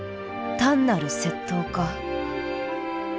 単なる窃盗か？